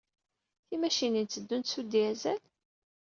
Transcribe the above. Timacinin tteddunt s wediesel?